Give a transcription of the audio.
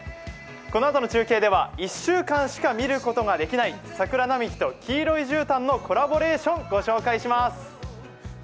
このあとの中継では１週間しか見ることができない桜並木と黄色いじゅうたんのコラボレーションご紹介します。